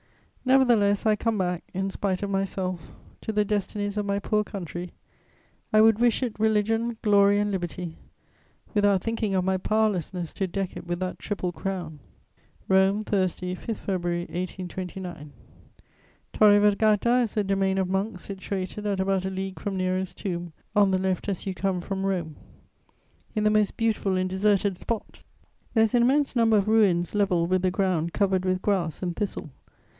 Nevertheless, I come back, in spite of myself, to the destinies of my poor country. I would wish it religion, glory and liberty, without thinking of my powerlessness to deck it with that triple crown." "ROME, Thursday, 5 February 1829. "Torre Vergata is a domain of monks situated at about a league from Nero's Tomb, on the left as you come from Rome, in the most beautiful and deserted spot: there is an immense number of ruins level with the ground covered with grass and thistle.